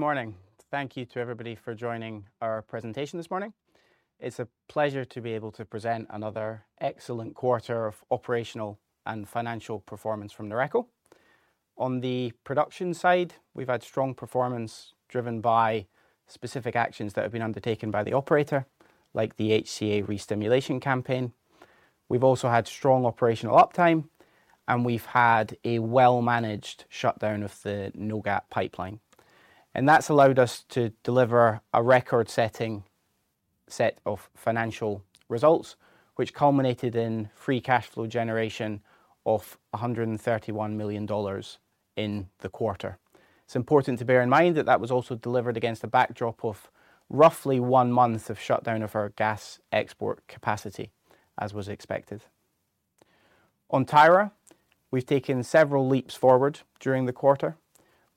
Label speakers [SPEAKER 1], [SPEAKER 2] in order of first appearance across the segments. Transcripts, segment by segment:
[SPEAKER 1] Good morning. Thank you to everybody for joining our presentation this morning. It's a pleasure to be able to present another excellent quarter of operational and financial performance from BlueNord. On the production side, we've had strong performance driven by specific actions that have been undertaken by the operator, like the HCA restimulation campaign. We've also had strong operational uptime, and we've had a well-managed shutdown of the NOGAT pipeline. That's allowed us to deliver a record-setting set of financial results, which culminated in free cash flow generation of $131 million in the quarter. It's important to bear in mind that that was also delivered against a backdrop of roughly one month of shutdown of our gas export capacity, as was expected. On Tyra, we've taken several leaps forward during the quarter.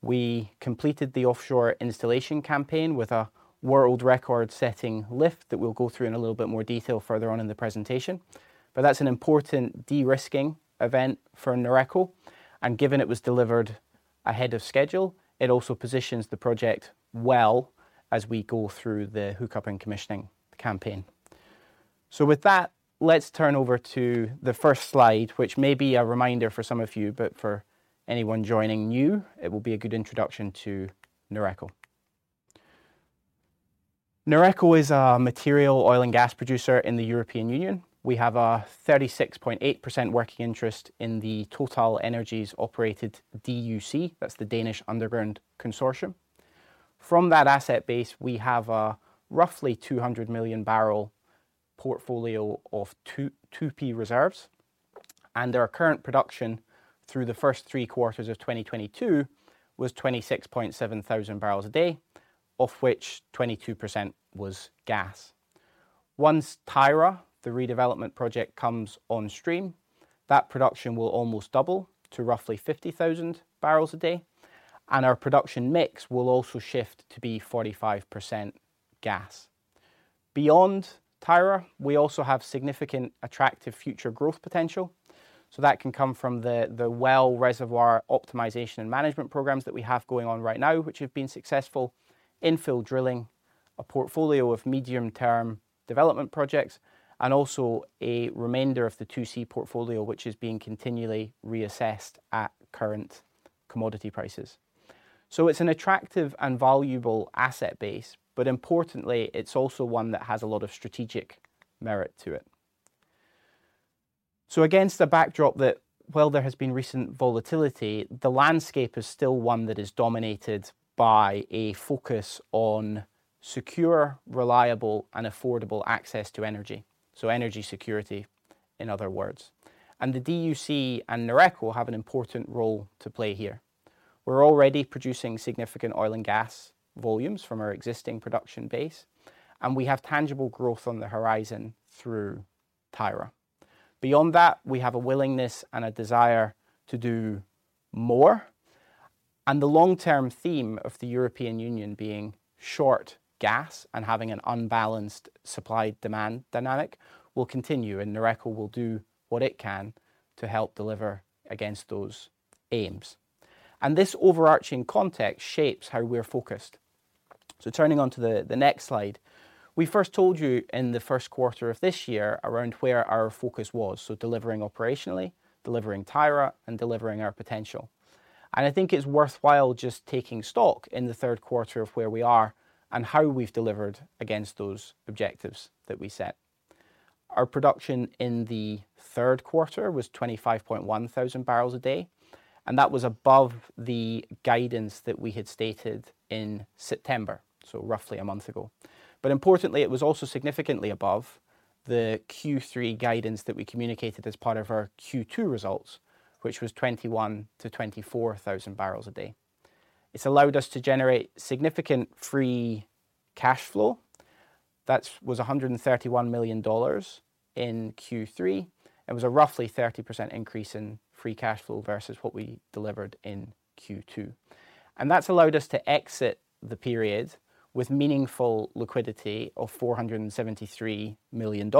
[SPEAKER 1] We completed the offshore installation campaign with a world record-setting lift that we'll go through in a little bit more detail further on in the presentation. That's an important de-risking event for BlueNord, and given it was delivered ahead of schedule, it also positions the project well as we go through the hook-up and commissioning campaign. With that, let's turn over to the first slide, which may be a reminder for some of you, but for anyone joining new, it will be a good introduction to BlueNord. BlueNord is a material oil and gas producer in the European Union. We have a 36.8% working interest in the TotalEnergies-operated DUC. That's the Danish Underground Consortium. From that asset base, we have a roughly 200 MMbbl portfolio of 2P reserves, and our current production through the first three quarters of 2022 was 26.7 thousand bpd, of which 22% was gas. Once Tyra, the redevelopment project, comes on stream, that production will almost double to roughly 50,000 bpd, and our production mix will also shift to be 45% gas. Beyond Tyra, we also have significant attractive future growth potential, so that can come from the Well Reservoir Optimization & Management programs that we have going on right now, which have been successful, infill drilling, a portfolio of medium-term development projects, and also a remainder of the 2C portfolio, which is being continually reassessed at current commodity prices. It's an attractive and valuable asset base, but importantly, it's also one that has a lot of strategic merit to it. Against the backdrop that while there has been recent volatility, the landscape is still one that is dominated by a focus on secure, reliable, and affordable access to energy. Energy security, in other words. The DUC and BlueNord have an important role to play here. We're already producing significant oil and gas volumes from our existing production base, and we have tangible growth on the horizon through Tyra. Beyond that, we have a willingness and a desire to do more, and the long-term theme of the European Union being short gas and having an unbalanced supply-demand dynamic will continue, and BlueNord will do what it can to help deliver against those aims. This overarching context shapes how we're focused. Turning on to the next slide. We first told you in the first quarter of this year around where our focus was, so delivering operationally, delivering Tyra, and delivering our potential. I think it's worthwhile just taking stock in the third quarter of where we are and how we've delivered against those objectives that we set. Our production in the third quarter was 25,100 bpd, and that was above the guidance that we had stated in September, so roughly a month ago. Importantly, it was also significantly above the Q3 guidance that we communicated as part of our Q2 results, which was 21,000 bpd-24,000 bpd. It's allowed us to generate significant free cash flow. That was $131 million in Q3. It was a roughly 30% increase in free cash flow versus what we delivered in Q2. That's allowed us to exit the period with meaningful liquidity of $473 million,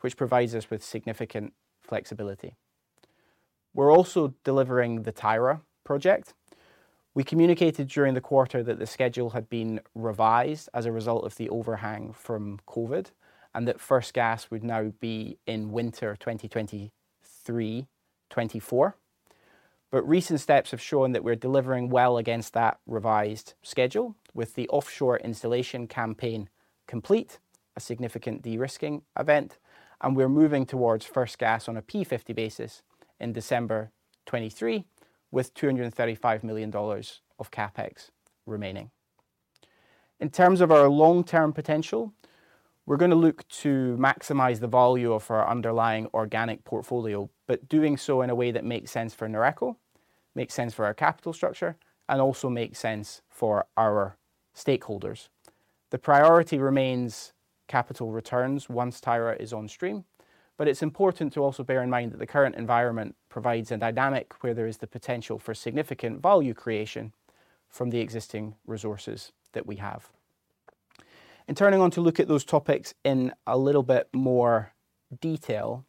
[SPEAKER 1] which provides us with significant flexibility. We're also delivering the Tyra project. We communicated during the quarter that the schedule had been revised as a result of the overhang from COVID, and that first gas would now be in winter 2023-2024. Recent steps have shown that we're delivering well against that revised schedule with the offshore installation campaign complete, a significant de-risking event, and we're moving towards first gas on a P50 basis in December 2023, with $235 million of CapEx remaining. In terms of our long-term potential, we're gonna look to maximize the value of our underlying organic portfolio, but doing so in a way that makes sense for BlueNord, makes sense for our capital structure, and also makes sense for our stakeholders. The priority remains capital returns once Tyra is on stream, but it's important to also bear in mind that the current environment provides a dynamic where there is the potential for significant value creation from the existing resources that we have. Turning on to look at those topics in a little bit more detail.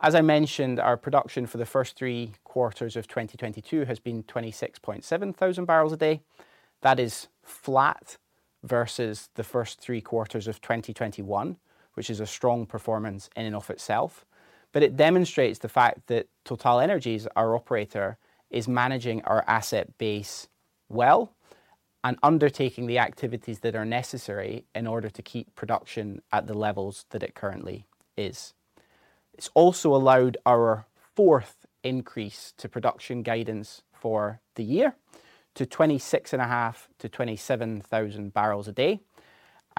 [SPEAKER 1] As I mentioned, our production for the first three quarters of 2022 has been 26,700 bpd. That is flat versus the first three quarters of 2021, which is a strong performance in and of itself. It demonstrates the fact that TotalEnergies, our operator, is managing our asset base well and undertaking the activities that are necessary in order to keep production at the levels that it currently is. It's also allowed our fourth increase to production guidance for the year to 26,500 bpd-27,000 bpd.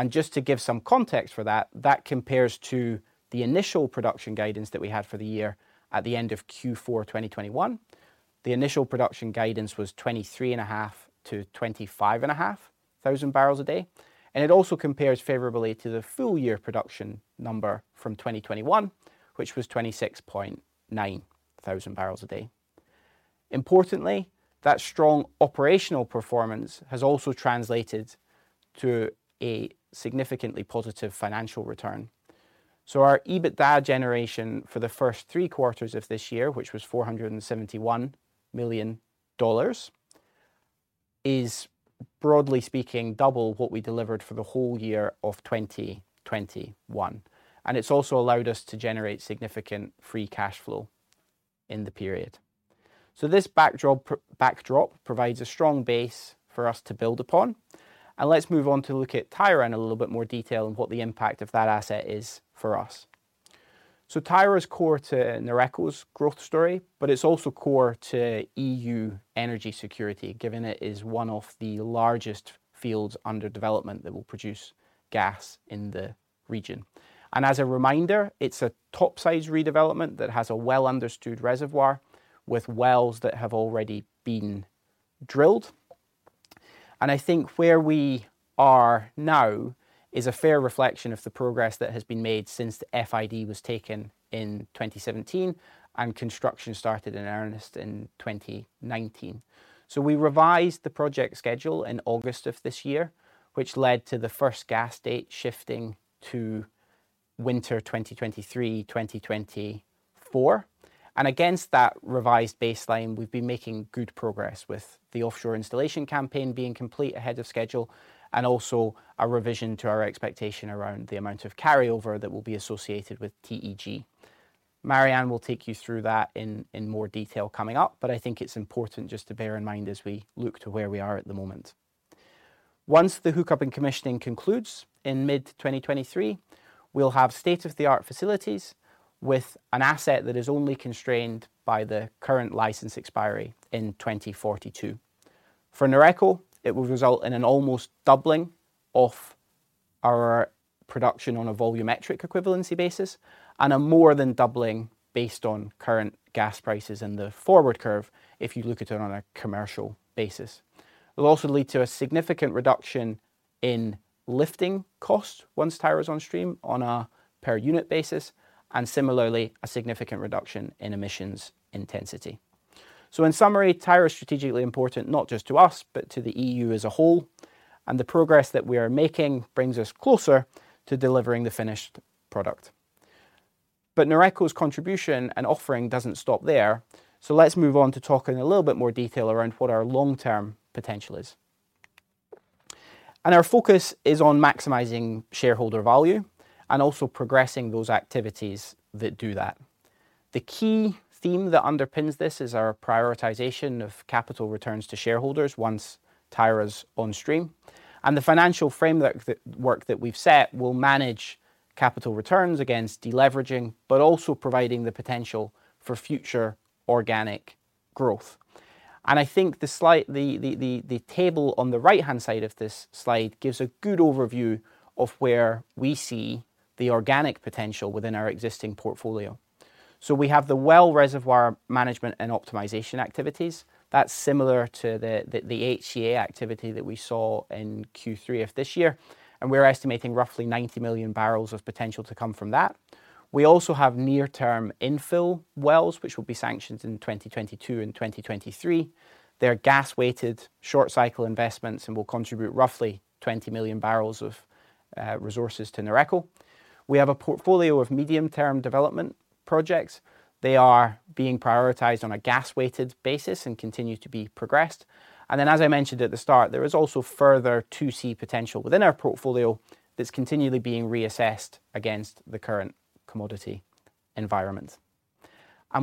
[SPEAKER 1] Just to give some context for that compares to the initial production guidance that we had for the year at the end of Q4 2021. The initial production guidance was 23,500 bpd-25,500 bpd. It also compares favorably to the full year production number from 2021, which was 26,900 bpd. Importantly, that strong operational performance has also translated to a significantly positive financial return. Our EBITDA generation for the first three quarters of this year, which was $471 million, is, broadly speaking, double what we delivered for the whole year of 2021. It's also allowed us to generate significant free cash flow in the period. This backdrop provides a strong base for us to build upon. Let's move on to look at Tyra in a little bit more detail and what the impact of that asset is for us. Tyra is core to BlueNord's growth story, but it's also core to EU energy security, given it is one of the largest fields under development that will produce gas in the region. As a reminder, it's a topside redevelopment that has a well understood reservoir with wells that have already been drilled. I think where we are now is a fair reflection of the progress that has been made since the FID was taken in 2017 and construction started in earnest in 2019. We revised the project schedule in August of this year, which led to the first gas date shifting to winter 2023-2024. Against that revised baseline, we've been making good progress with the offshore installation campaign being complete ahead of schedule, and also a revision to our expectation around the amount of carryover that will be associated with TEG. Marianne will take you through that in more detail coming up, but I think it's important just to bear in mind as we look to where we are at the moment. Once the hookup and commissioning concludes in mid-2023, we'll have state-of-the-art facilities with an asset that is only constrained by the current license expiry in 2042. For BlueNord, it will result in an almost doubling of our production on a volumetric equivalency basis and a more than doubling based on current gas prices in the forward curve if you look at it on a commercial basis. It will also lead to a significant reduction in lifting costs once Tyra's on stream on a per unit basis, and similarly, a significant reduction in emissions intensity. In summary, Tyra is strategically important not just to us, but to the EU as a whole, and the progress that we are making brings us closer to delivering the finished product. BlueNord's contribution and offering doesn't stop there. Let's move on to talk in a little bit more detail around what our long-term potential is. Our focus is on maximizing shareholder value and also progressing those activities that do that. The key theme that underpins this is our prioritization of capital returns to shareholders once Tyra's on stream. The financial framework that we've set will manage capital returns against deleveraging, but also providing the potential for future organic growth. I think the table on the right-hand side of this slide gives a good overview of where we see the organic potential within our existing portfolio. We have the well reservoir management and optimization activities. That's similar to the HCA activity that we saw in Q3 of this year, and we're estimating roughly 90 million barrels of potential to come from that. We also have near term infill wells, which will be sanctioned in 2022 and 2023. They are gas-weighted short cycle investments and will contribute roughly 20 MMbbl of resources to BlueNord. We have a portfolio of medium-term development projects. They are being prioritized on a gas-weighted basis and continue to be progressed. As I mentioned at the start, there is also further 2C potential within our portfolio that's continually being reassessed against the current commodity environment.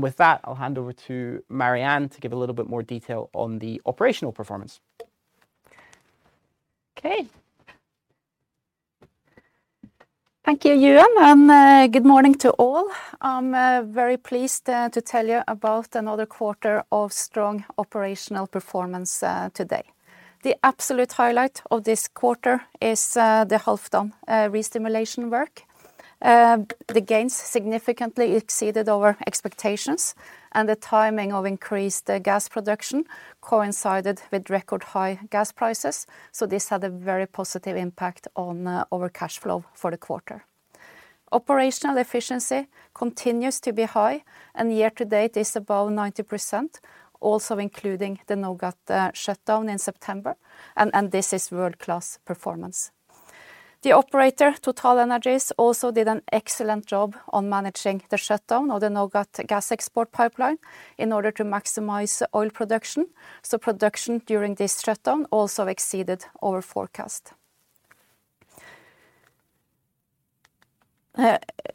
[SPEAKER 1] With that, I'll hand over to Marianne to give a little bit more detail on the operational performance.
[SPEAKER 2] Okay. Thank you, Euan, and good morning to all. I'm very pleased to tell you about another quarter of strong operational performance today. The absolute highlight of this quarter is the Halfdan re-stimulation work. The gains significantly exceeded our expectations, and the timing of increased gas production coincided with record high gas prices. This had a very positive impact on our cash flow for the quarter. Operational efficiency continues to be high, and year to date is above 90% also including the NOGAT shutdown in September, and this is world-class performance. The operator, TotalEnergies, also did an excellent job on managing the shutdown of the NOGAT gas export pipeline in order to maximize oil production. Production during this shutdown also exceeded our forecast.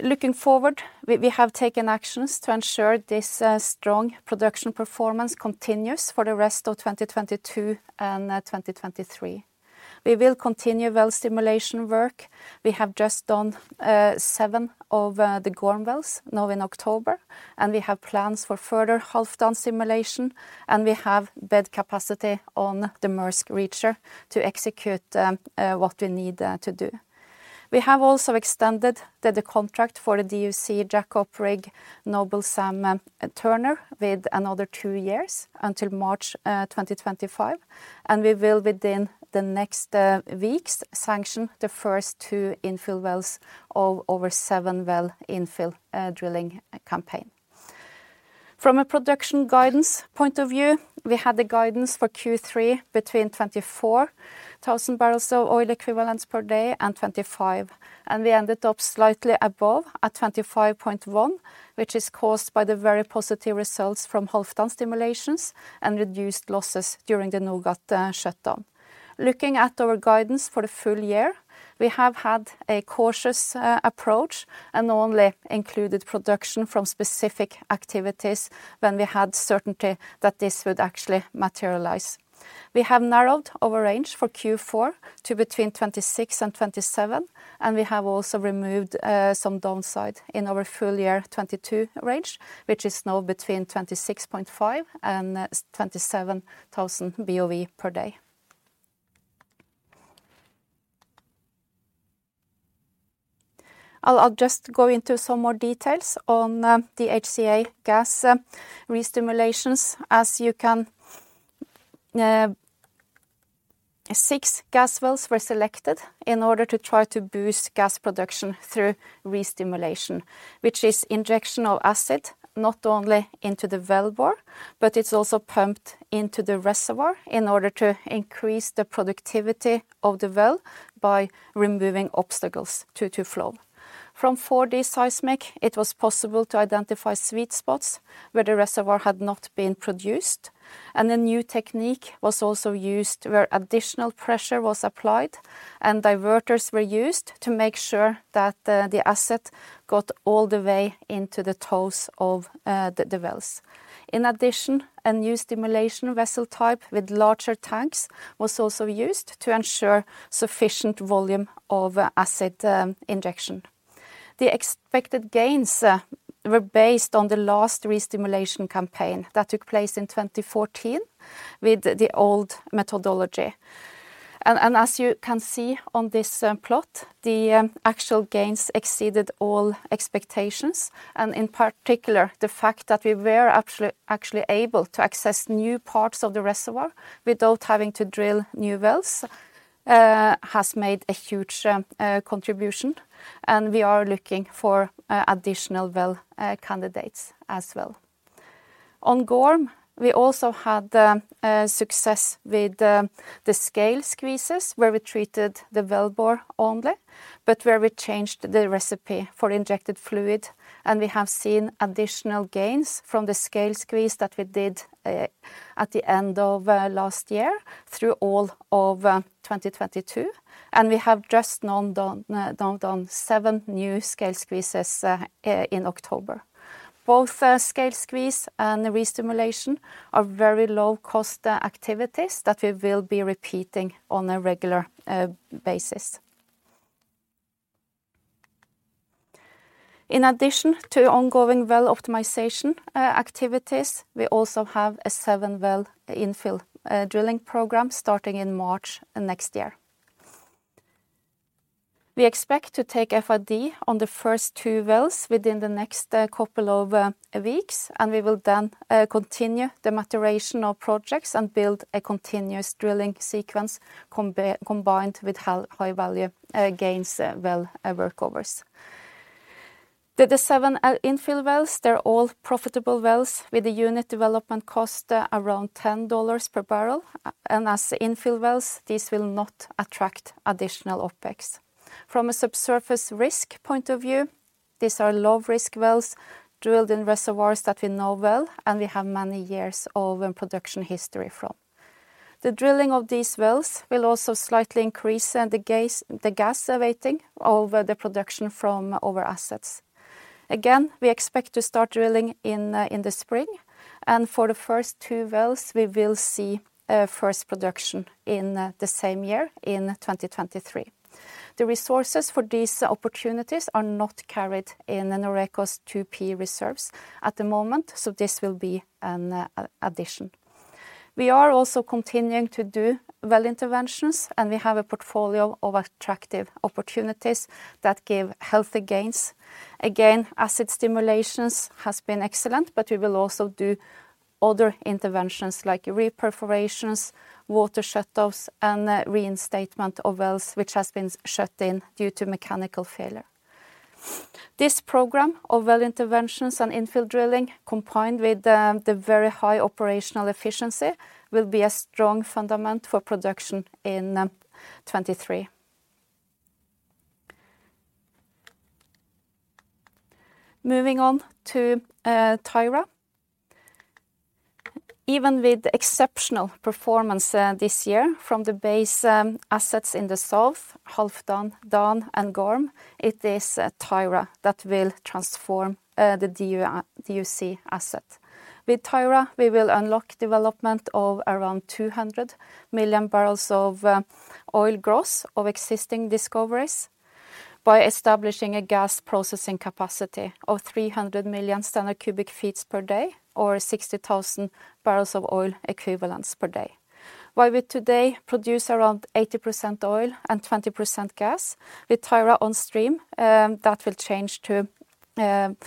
[SPEAKER 2] Looking forward, we have taken actions to ensure this strong production performance continues for the rest of 2022 and 2023. We will continue well stimulation work. We have just done seven of the Gorm wells now in October, and we have plans for further Halfdan stimulation, and we have bed capacity on the Maersk Reacher to execute what we need to do. We have also extended the contract for the DUC jack-up rig, Noble Sam Turner, with another two years until March 2025, and we will within the next weeks sanction the first two infill wells of our seven well infill drilling campaign. From a production guidance point of view, we had the guidance for Q3 between 24,000-25,000 BOED. We ended up slightly above at 25.1 MBOED, which is caused by the very positive results from Halfdan stimulations and reduced losses during the NOGAT shutdown. Looking at our guidance for the full year, we have had a cautious approach and only included production from specific activities when we had certainty that this would actually materialize. We have narrowed our range for Q4 to between 26 MBOED and 27 MBOED, and we have also removed some downside in our full year 2022 range, which is now between 26.5 MBOED and 27 MBOED. I'll just go into some more details on the HCA gas re-stimulations. As you can... Six gas wells were selected in order to try to boost gas production through re-stimulation, which is injection of acid not only into the wellbore, but it's also pumped into the reservoir in order to increase the productivity of the well by removing obstacles to flow. From 4D seismic, it was possible to identify sweet spots where the reservoir had not been produced. A new technique was also used where additional pressure was applied, and diverters were used to make sure that the asset got all the way into the toes of the wells. In addition, a new stimulation vessel type with larger tanks was also used to ensure sufficient volume of acid injection. The expected gains were based on the last re-stimulation campaign that took place in 2014 with the old methodology. As you can see on this plot, the actual gains exceeded all expectations. In particular, the fact that we were actually able to access new parts of the reservoir without having to drill new wells has made a huge contribution, and we are looking for additional well candidates as well. On Gorm, we also had success with the scale squeezes where we treated the wellbore only, but where we changed the recipe for injected fluid, and we have seen additional gains from the scale squeeze that we did at the end of last year through all of 2022. We have just now done seven new scale squeezes in October. Both scale squeeze and the re-stimulation are very low cost activities that we will be repeating on a regular basis. In addition to ongoing well optimization activities, we also have a seven-well infill drilling program starting in March next year. We expect to take FID on the first two wells within the next couple of weeks, and we will then continue the maturation of projects and build a continuous drilling sequence combined with high value gains, well workovers. The seven infill wells, they're all profitable wells with the unit development cost around $10 per barrel. As infill wells, these will not attract additional OpEx. From a subsurface risk point of view, these are low-risk wells drilled in reservoirs that we know well, and we have many years of production history from. The drilling of these wells will also slightly increase the gas weighting over the production from our assets. Again, we expect to start drilling in the spring. For the first two wells, we will see first production in the same year in 2023. The resources for these opportunities are not carried in BlueNord's 2P reserves at the moment, so this will be an addition. We are also continuing to do well interventions, and we have a portfolio of attractive opportunities that give healthy gains. Again, acid stimulations has been excellent, but we will also do other interventions like re-perforations, water shutoffs, and reinstatement of wells which has been shut in due to mechanical failure. This program of well interventions and infill drilling combined with the very high operational efficiency will be a strong foundation for production in 2023. Moving on to Tyra. Even with exceptional performance this year from the base assets in the south, Halfdan, Dan, and Gorm, it is Tyra that will transform the DUC asset. With Tyra, we will unlock development of around 200 MMbbl of oil and gas of existing discoveries by establishing a gas processing capacity of 300 million standard cubic feet per day or 60,000 BOED. While we today produce around 80% oil and 20% gas, with Tyra on stream, that will change to around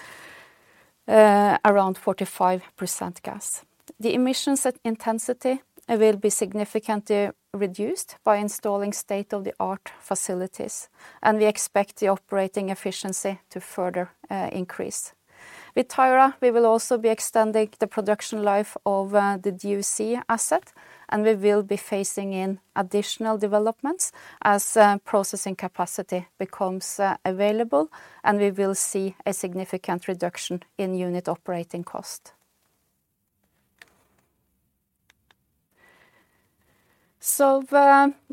[SPEAKER 2] 45% gas. The emissions intensity will be significantly reduced by installing state-of-the-art facilities, and we expect the operating efficiency to further increase. With Tyra, we will also be extending the production life of the DUC asset, and we will be phasing in additional developments as processing capacity becomes available, and we will see a significant reduction in unit operating cost.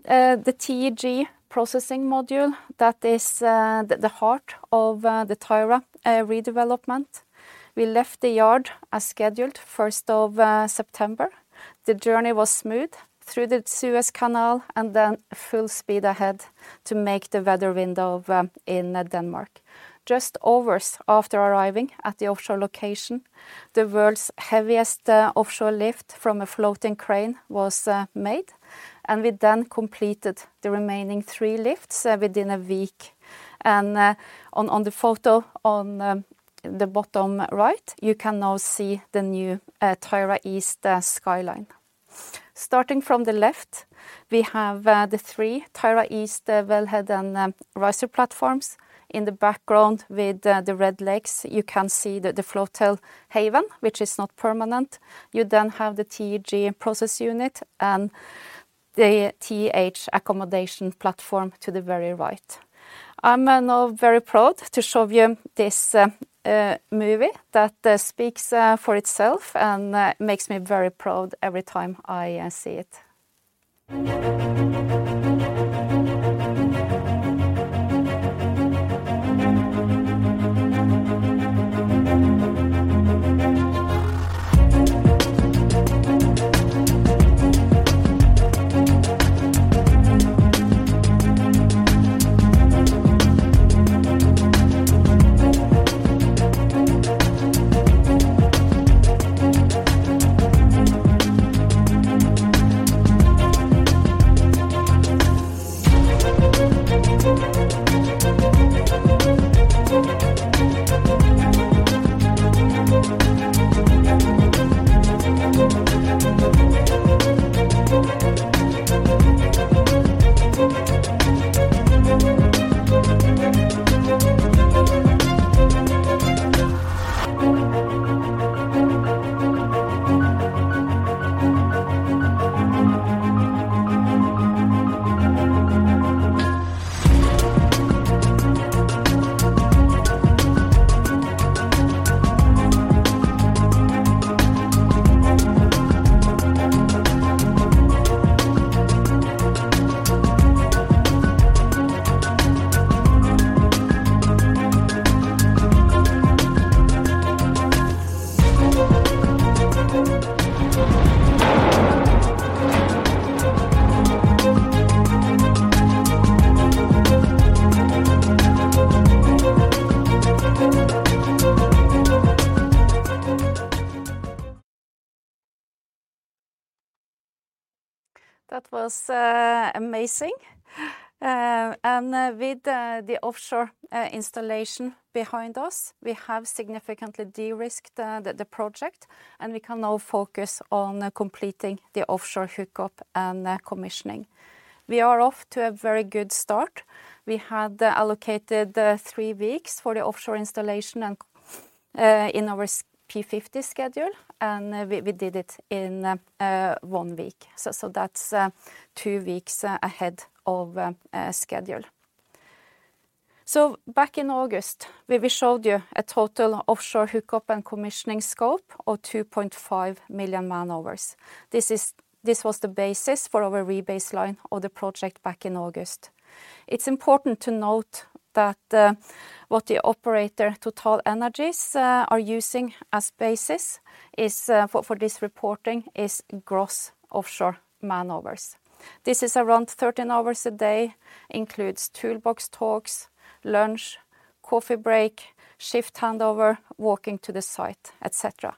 [SPEAKER 2] The TEG processing module, that is the heart of the Tyra redevelopment. We left the yard as scheduled, 1st of September. The journey was smooth through the Suez Canal and then full speed ahead to make the weather window in Denmark. Just hours after arriving at the offshore location, the world's heaviest offshore lift from a floating crane was made, and we then completed the remaining three lifts within a week. On the photo on the bottom right, you can now see the new Tyra East skyline. Starting from the left, we have the three Tyra East wellhead and riser platforms. In the background with the red legs you can see the floatel Haven which is not permanent. You then have the TEG process unit and the Tyra accommodation platform to the very right. I'm now very proud to show you this movie that speaks for itself and makes me very proud every time I see it. That was amazing. With the offshore installation behind us, we have significantly de-risked the project, and we can now focus on completing the offshore hookup and the commissioning. We are off to a very good start. We had allocated three weeks for the offshore installation and in our P50 schedule, and we did it in one week. That's two weeks ahead of schedule. Back in August, we showed you a total offshore hookup and commissioning scope of 2.5 million man-hours. This was the basis for our rebaseline of the project back in August. It's important to note that what the operator TotalEnergies are using as basis for this reporting is gross offshore man-hours. This is around 13 hours a day, includes toolbox talks, lunch, coffee break, shift handover, walking to the site, et cetera.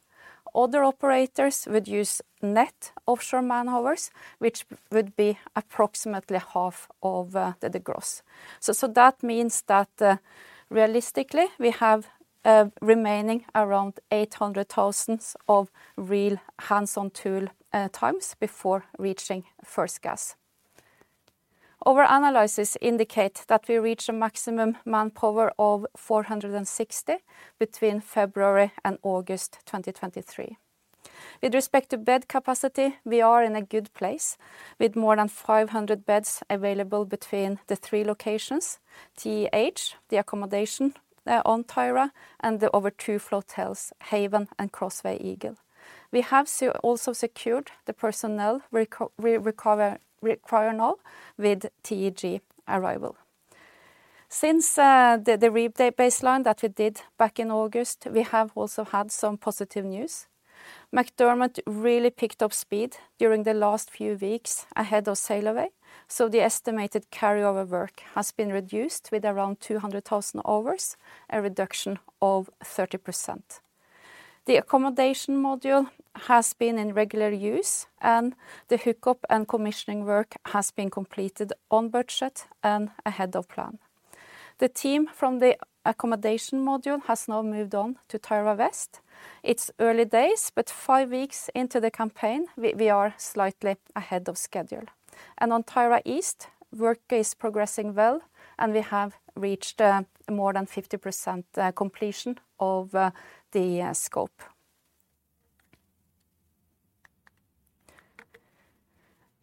[SPEAKER 2] Other operators would use net offshore man-hours, which would be approximately half of the gross. That means that realistically we have remaining around 800,000 of real hands-on tool times before reaching first gas. Our analysis indicate that we reach a maximum manpower of 460 between February and August 2023. With respect to bed capacity, we are in a good place with more than 500 beds available between the three locations: TEH, the accommodation on Tyra, and the other two floatels, Haven and Crossway Eagle. We have also secured the personnel recovery requirements now with TEG arrival. Since the re-baseline that we did back in August, we have also had some positive news. McDermott really picked up speed during the last few weeks ahead of sail away, so the estimated carryover work has been reduced by around 200,000 hours, a reduction of 30%. The accommodation module has been in regular use, and the hookup and commissioning work has been completed on budget and ahead of plan. The team from the accommodation module has now moved on to Tyra West. It's early days, but five weeks into the campaign we are slightly ahead of schedule. On Tyra East, work is progressing well, and we have reached more than 50% completion of the scope.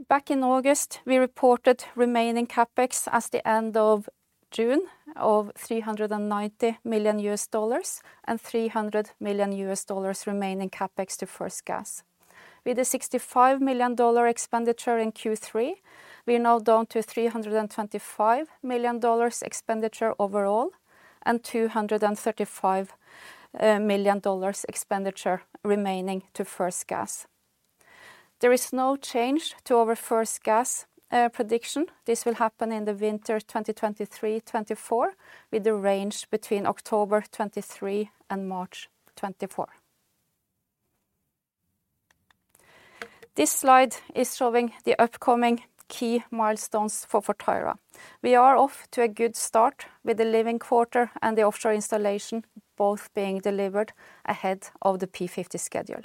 [SPEAKER 2] Back in August, we reported remaining CapEx as the end of June of $390 million and $300 million remaining CapEx to first gas. With a $65 million expenditure in Q3, we are now down to $325 million expenditure overall and $235 million expenditure remaining to first gas. There is no change to our first gas prediction. This will happen in the winter 2023-2024, with the range between October 2023 and March 2024. This slide is showing the upcoming key milestones for Tyra. We are off to a good start with the living quarter and the offshore installation both being delivered ahead of the P50 schedule.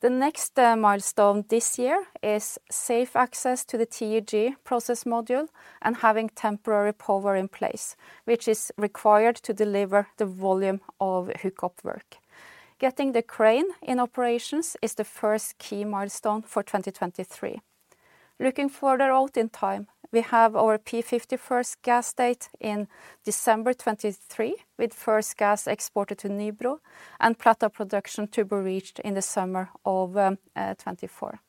[SPEAKER 2] The next milestone this year is safe access to the TEG processing module and having temporary power in place, which is required to deliver the volume of hookup work. Getting the crane in operations is the first key milestone for 2023. Looking further out in time, we have our P50 first gas date in December 2023, with first gas exported to Nybro and plateau production to be reached in the summer of 2024.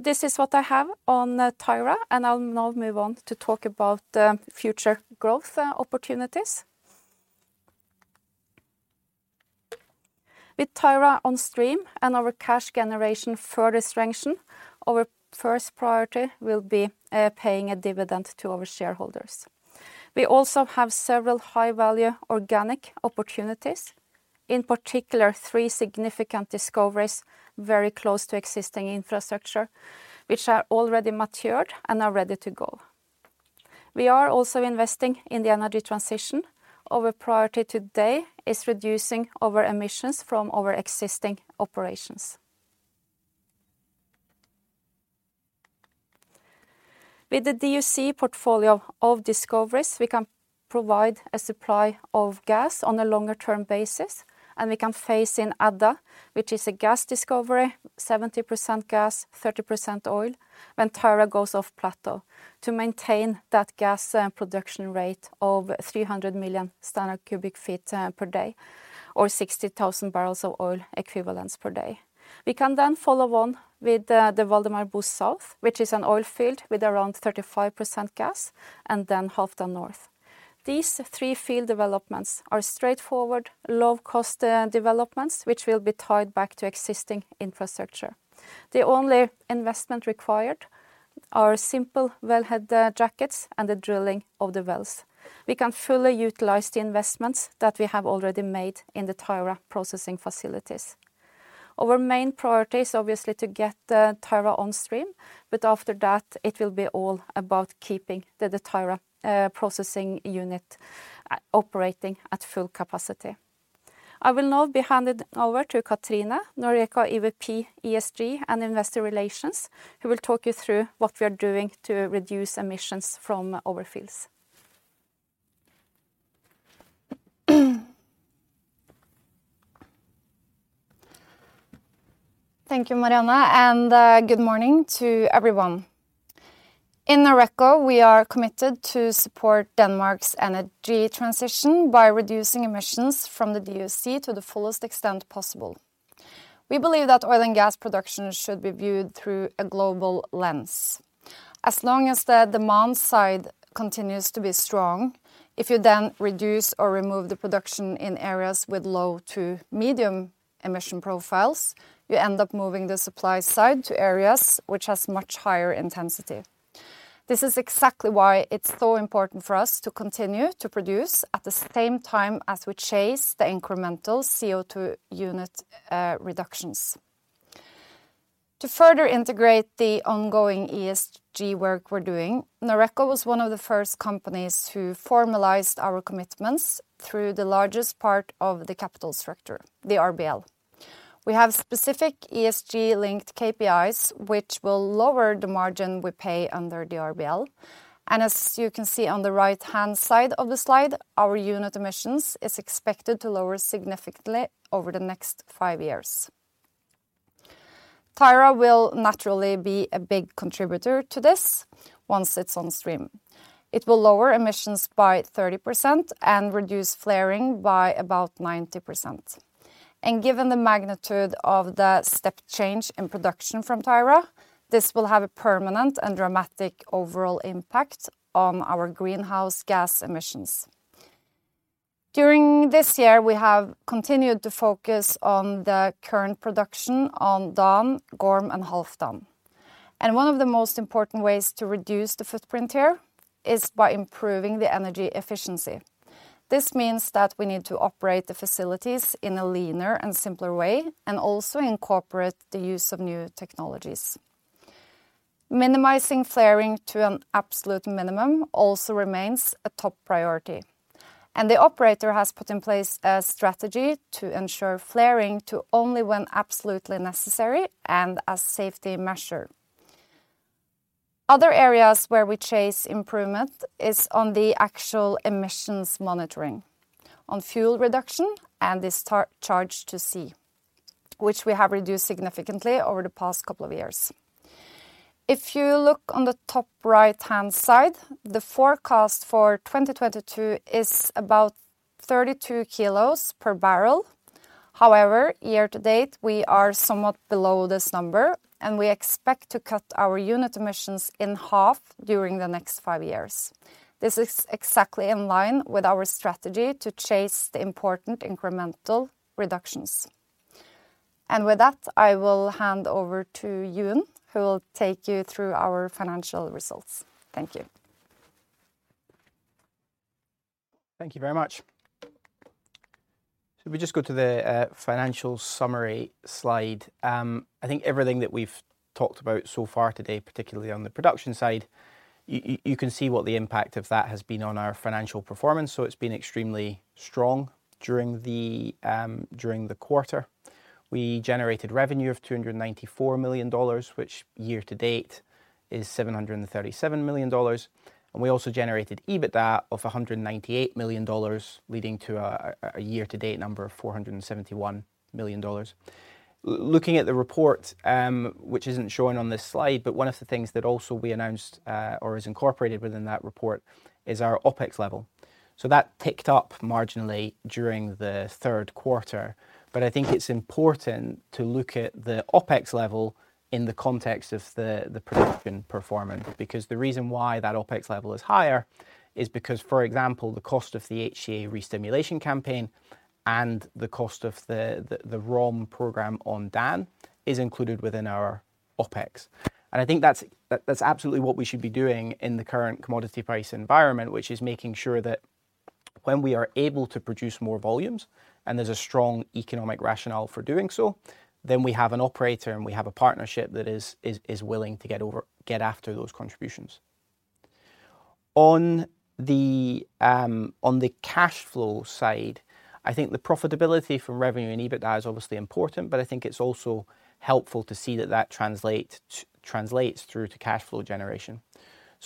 [SPEAKER 2] This is what I have on Tyra, and I'll now move on to talk about the future growth opportunities. With Tyra on stream and our cash generation further strengthened, our first priority will be paying a dividend to our shareholders. We also have several high-value organic opportunities, in particular three significant discoveries very close to existing infrastructure which are already matured and are ready to go. We are also investing in the energy transition. Our priority today is reducing our emissions from our existing operations. With the DUC portfolio of discoveries, we can provide a supply of gas on a longer term basis, and we can phase in Adda, which is a gas discovery, 70% gas, 30% oil, when Tyra goes off plateau to maintain that gas production rate of 300 million standard cubic feet per day or 60,000 BOED. We can then follow on with the Valdemar South, which is an oil field with around 35% gas, and then Halfdan North. These three field developments are straightforward low cost developments which will be tied back to existing infrastructure. The only investment required are simple wellhead jackets and the drilling of the wells. We can fully utilize the investments that we have already made in the Tyra processing facilities. Our main priority is obviously to get Tyra on stream, but after that it will be all about keeping the Tyra processing unit operating at full capacity. I will now be handed over to Cathrine, BlueNord EVP, ESG, and Investor Relations, who will talk you through what we are doing to reduce emissions from our fields.
[SPEAKER 3] Thank you, Marianne, and good morning to everyone. In BlueNord, we are committed to support Denmark's energy transition by reducing emissions from the DUC to the fullest extent possible. We believe that oil and gas production should be viewed through a global lens. As long as the demand side continues to be strong, if you then reduce or remove the production in areas with low to medium emission profiles, you end up moving the supply side to areas which has much higher intensity. This is exactly why it's so important for us to continue to produce at the same time as we chase the incremental CO2 unit reductions. To further integrate the ongoing ESG work we're doing, BlueNord was one of the first companies to formalize our commitments through the largest part of the capital structure, the RBL. We have specific ESG-linked KPIs which will lower the margin we pay under the RBL. As you can see on the right-hand side of the slide, our unit emissions is expected to lower significantly over the next five years. Tyra will naturally be a big contributor to this once it's on stream. It will lower emissions by 30% and reduce flaring by about 90%. Given the magnitude of the step change in production from Tyra, this will have a permanent and dramatic overall impact on our greenhouse gas emissions. During this year, we have continued to focus on the current production on Dan, Gorm, and Halfdan. One of the most important ways to reduce the footprint here is by improving the energy efficiency. This means that we need to operate the facilities in a leaner and simpler way and also incorporate the use of new technologies. Minimizing flaring to an absolute minimum also remains a top priority, and the operator has put in place a strategy to ensure flaring to only when absolutely necessary and as safety measure. Other areas where we chase improvement is on the actual emissions monitoring, on fuel reduction, and discharge to sea, which we have reduced significantly over the past couple of years. If you look on the top right-hand side, the forecast for 2022 is about 32 kilos per barrel. However, year to date, we are somewhat below this number, and we expect to cut our unit emissions in half during the next five years. This is exactly in line with our strategy to chase the important incremental reductions. With that, I will hand over to Euan, who will take you through our financial results. Thank you.
[SPEAKER 1] Thank you very much. Should we just go to the financial summary slide? I think everything that we've talked about so far today, particularly on the production side, you can see what the impact of that has been on our financial performance, so it's been extremely strong during the quarter. We generated revenue of $294 million, which year to date is $737 million. We also generated EBITDA of $198 million, leading to a year to date number of $471 million. Looking at the report, which isn't shown on this slide, but one of the things that also we announced or is incorporated within that report is our OpEx level. That ticked up marginally during the third quarter. I think it's important to look at the OpEx level in the context of the production performance, because the reason why that OpEx level is higher is because, for example, the cost of the HCA restimulation campaign and the cost of the ROM program on Dan is included within our OpEx. I think that's absolutely what we should be doing in the current commodity price environment, which is making sure that when we are able to produce more volumes and there's a strong economic rationale for doing so, then we have an operator and we have a partnership that is willing to get after those contributions. On the cash flow side, I think the profitability from revenue and EBITDA is obviously important, but I think it's also helpful to see that translates through to cash flow generation.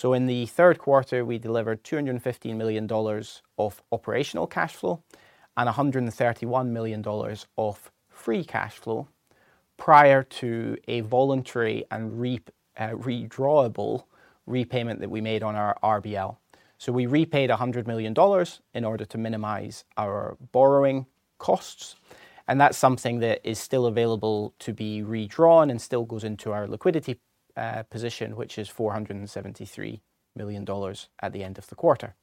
[SPEAKER 1] In the third quarter, we delivered $215 million of operational cash flow and $131 million of free cash flow prior to a voluntary, redrawable repayment that we made on our RBL. We repaid $100 million in order to minimize our borrowing costs, and that's something that is still available to be redrawn and still goes into our liquidity position, which is $473 million at the end of the quarter.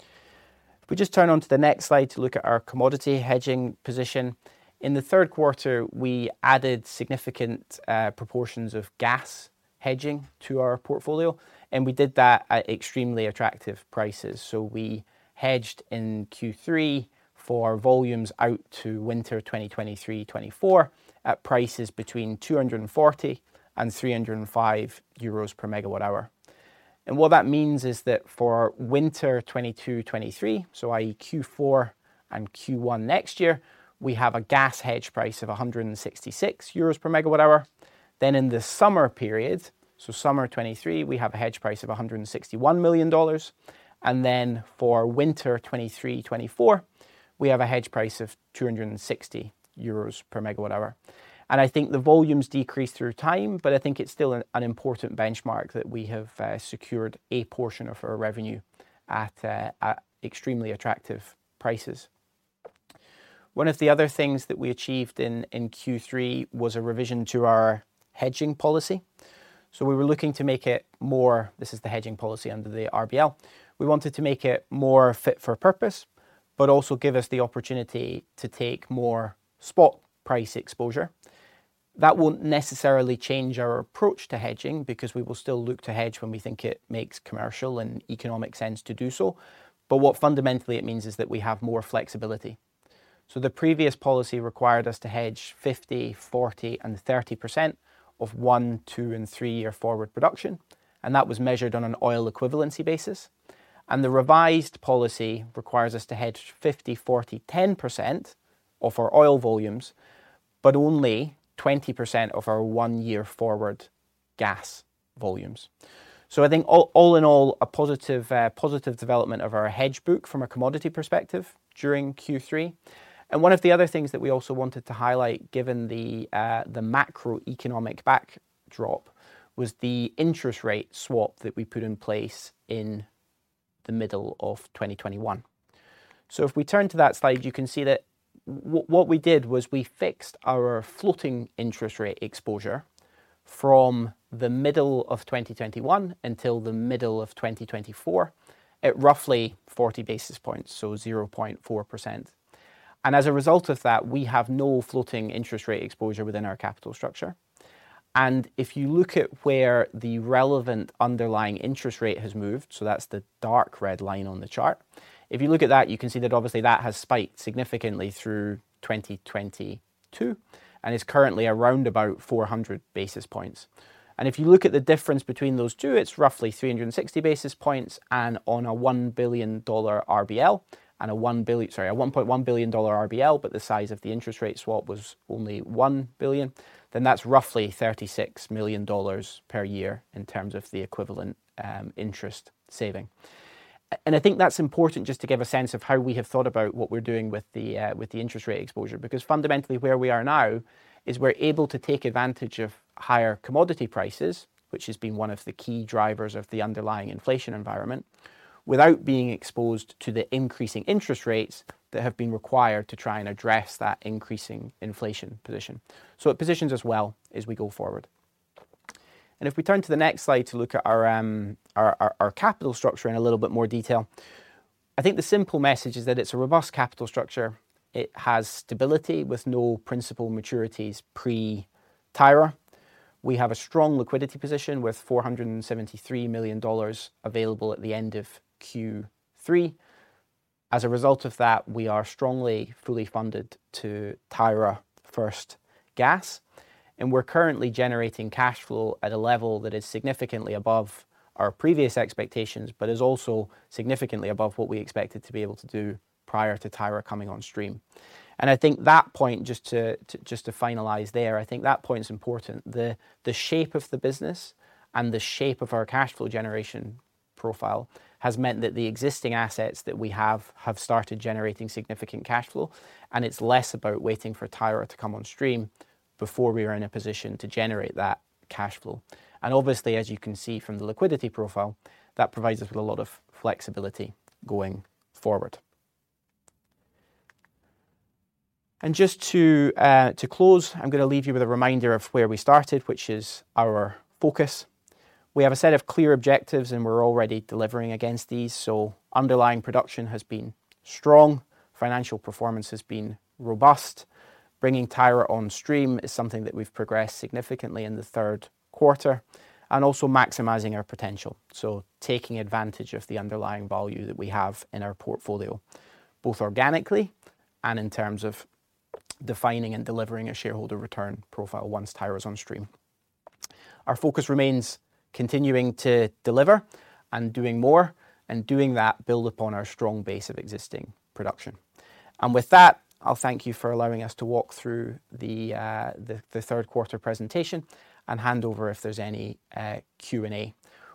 [SPEAKER 1] If we just turn to the next slide to look at our commodity hedging position. In the third quarter, we added significant proportions of gas hedging to our portfolio, and we did that at extremely attractive prices. We hedged in Q3 for volumes out to winter 2023-2024 at prices between 240 and 305 euros per megawatt hour. What that means is that for winter 2022-2023, so i.e. Q4 and Q1 next year, we have a gas hedge price of 166 euros per megawatt hour. In the summer period, so summer 2023, we have a hedge price of $161 million. For winter 2023-2024, we have a hedge price of 260 euros per megawatt hour. I think the volumes decrease through time, but I think it's still an important benchmark that we have secured a portion of our revenue at extremely attractive prices. One of the other things that we achieved in Q3 was a revision to our hedging policy. This is the hedging policy under the RBL. We wanted to make it more fit for purpose, but also give us the opportunity to take more spot price exposure. That won't necessarily change our approach to hedging because we will still look to hedge when we think it makes commercial and economic sense to do so. What fundamentally it means is that we have more flexibility. The previous policy required us to hedge 50%, 40%, and 30% of one, two, and three-year forward production, and that was measured on an oil equivalency basis. The revised policy requires us to hedge 50%, 40%, 10% of our oil volumes, but only 20% of our one-year forward gas volumes. I think all in all, a positive development of our hedge book from a commodity perspective during Q3. One of the other things that we also wanted to highlight, given the macroeconomic backdrop, was the interest rate swap that we put in place in the middle of 2021. If we turn to that slide, you can see that what we did was we fixed our floating interest rate exposure from the middle of 2021 until the middle of 2024 at roughly 40 basis points, so 0.4%. As a result of that, we have no floating interest rate exposure within our capital structure. If you look at where the relevant underlying interest rate has moved, so that's the dark red line on the chart. If you look at that, you can see that obviously that has spiked significantly through 2022 and is currently around about 400 basis points. If you look at the difference between those two, it's roughly 360 basis points and on a $1 billion RBL and a $1.1 billion RBL, but the size of the interest rate swap was only $1 billion, then that's roughly $36 million per year in terms of the equivalent, interest saving. I think that's important just to give a sense of how we have thought about what we're doing with the, with the interest rate exposure. Because fundamentally, where we are now is we're able to take advantage of higher commodity prices, which has been one of the key drivers of the underlying inflation environment, without being exposed to the increasing interest rates that have been required to try and address that increasing inflation position. It positions us well as we go forward. If we turn to the next slide to look at our capital structure in a little bit more detail, I think the simple message is that it's a robust capital structure. It has stability with no principal maturities pre-Tyra. We have a strong liquidity position with $473 million available at the end of Q3. As a result of that, we are strongly fully funded to Tyra first gas, and we're currently generating cash flow at a level that is significantly above our previous expectations, but is also significantly above what we expected to be able to do prior to Tyra coming on stream. I think that point, just to finalize there, I think that point is important. The shape of the business and the shape of our cash flow generation profile has meant that the existing assets that we have have started generating significant cash flow, and it's less about waiting for Tyra to come on stream before we are in a position to generate that cash flow. Obviously, as you can see from the liquidity profile, that provides us with a lot of flexibility going forward. Just to close, I'm gonna leave you with a reminder of where we started, which is our focus. We have a set of clear objectives, and we're already delivering against these. Underlying production has been strong. Financial performance has been robust. Bringing Tyra on stream is something that we've progressed significantly in the third quarter. Also maximizing our potential, so taking advantage of the underlying value that we have in our portfolio, both organically and in terms of defining and delivering a shareholder return profile once Tyra's on stream. Our focus remains continuing to deliver and doing more, and doing that build upon our strong base of existing production. With that, I'll thank you for allowing us to walk through the third quarter presentation and hand over if there's any Q&A.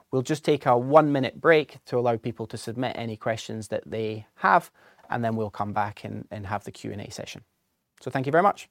[SPEAKER 1] We'll just take a one-minute break to allow people to submit any questions that they have, and then we'll come back and have the Q&A session. Thank you very much.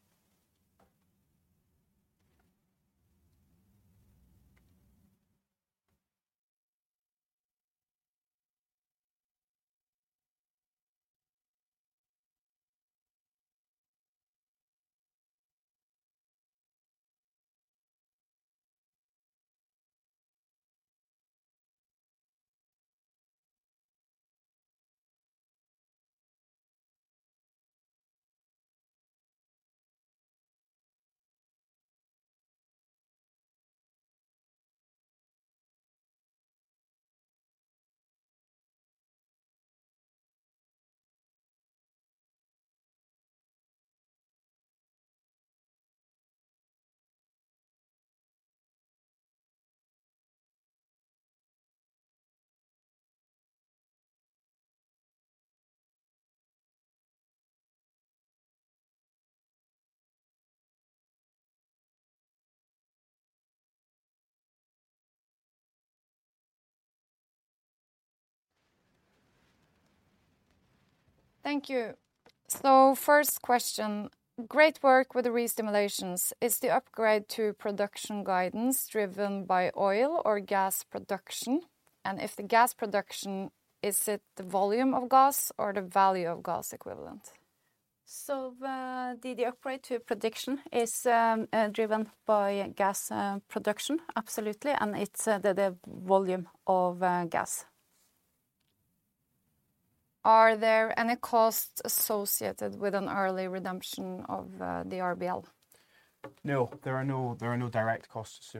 [SPEAKER 3] Thank you. First question, great work with the re-stimulations. Is the upgrade to production guidance driven by oil or gas production? And if the gas production, is it the volume of gas or the value of gas equivalent?
[SPEAKER 2] The upgrade to production is driven by gas production. Absolutely. And it's the volume of gas.
[SPEAKER 3] Are there any costs associated with an early redemption of the RBL?
[SPEAKER 1] No, there are no direct costs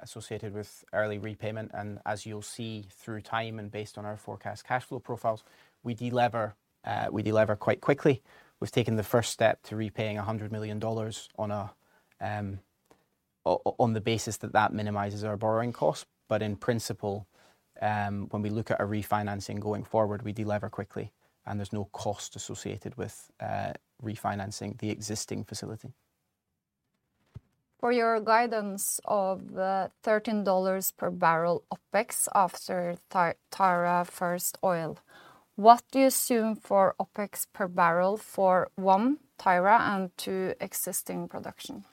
[SPEAKER 1] associated with early repayment, and as you'll see through time and based on our forecast cashflow profiles, we de-lever quite quickly. We've taken the first step to repaying $100 million on the basis that minimizes our borrowing cost. In principle, when we look at a refinancing going forward, we de-lever quickly, and there's no cost associated with refinancing the existing facility.
[SPEAKER 3] For your guidance of the $13 per barrel OpEx after Tyra first oil, what do you assume for OpEx per barrel for, one, Tyra, and two, existing production?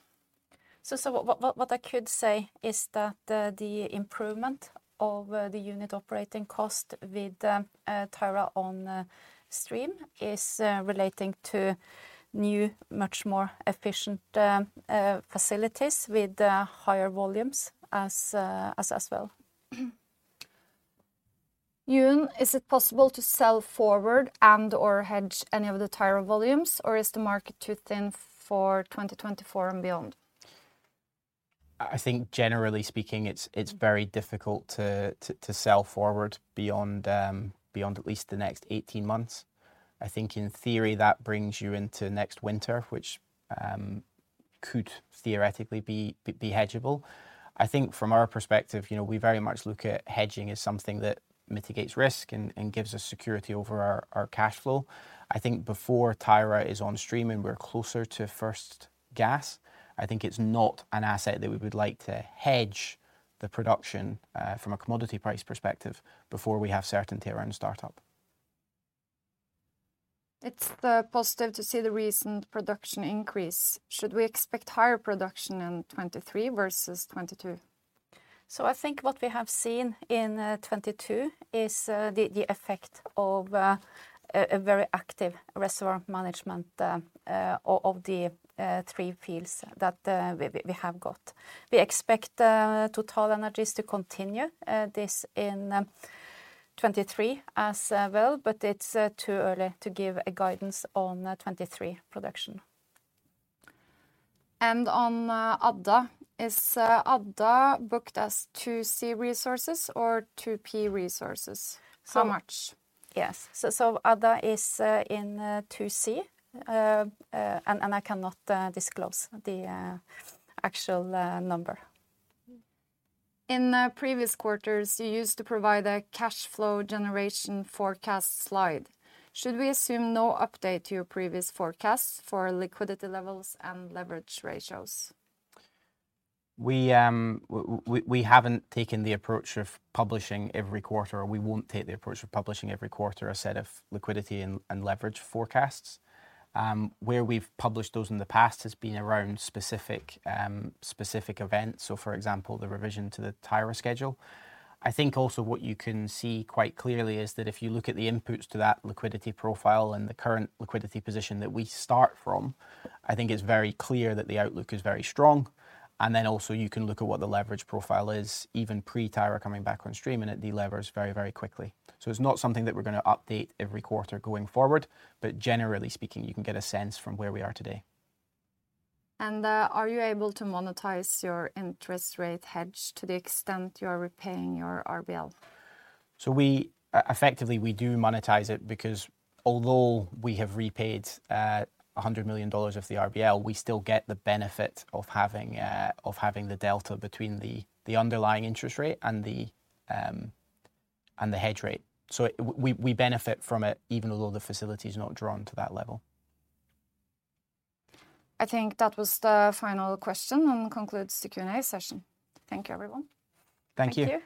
[SPEAKER 2] What I could say is that the improvement of the unit operating cost with Tyra on the stream is relating to new much more efficient facilities with the higher volumes as well.
[SPEAKER 3] Euan, is it possible to sell forward and/or hedge any of the Tyra volumes, or is the market too thin for 2024 and beyond?
[SPEAKER 1] I think generally speaking, it's very difficult to sell forward beyond at least the next 18 months. I think in theory, that brings you into next winter, which could theoretically be hedgeable. I think from our perspective, you know, we very much look at hedging as something that mitigates risk and gives us security over our cashflow. I think before Tyra is on stream and we're closer to first gas, I think it's not an asset that we would like to hedge the production from a commodity price perspective before we have certainty around startup.
[SPEAKER 3] It's positive to see the recent production increase. Should we expect higher production in 2023 versus 2022?
[SPEAKER 2] I think what we have seen in 2022 is the effect of a very active reservoir management of the three fields that we have got. We expect TotalEnergies to continue this in 2023 as well, but it's too early to give a guidance on the 2023 production.
[SPEAKER 3] On Adda. Is Adda booked as 2C resources or 2P resources? How much?
[SPEAKER 2] Yes. Adda is in 2C. I cannot disclose the actual number.
[SPEAKER 3] In previous quarters, you used to provide a cash flow generation forecast slide. Should we assume no update to your previous forecast for liquidity levels and leverage ratios?
[SPEAKER 1] We haven't taken the approach of publishing every quarter. We won't take the approach of publishing every quarter a set of liquidity and leverage forecasts. Where we've published those in the past has been around specific events, so for example, the revision to the Tyra schedule. I think also what you can see quite clearly is that if you look at the inputs to that liquidity profile and the current liquidity position that we start from, I think it's very clear that the outlook is very strong. Also you can look at what the leverage profile is even pre-Tyra coming back on stream, and it de-levers very, very quickly. It's not something that we're gonna update every quarter going forward, but generally speaking, you can get a sense from where we are today.
[SPEAKER 3] Are you able to monetize your interest rate hedge to the extent you are repaying your RBL?
[SPEAKER 1] We effectively do monetize it because although we have repaid $100 million of the RBL, we still get the benefit of having the delta between the underlying interest rate and the hedge rate. We benefit from it even though the facility is not drawn to that level.
[SPEAKER 3] I think that was the final question, and concludes the Q&A session. Thank you, everyone.
[SPEAKER 1] Thank you.
[SPEAKER 2] Thank you.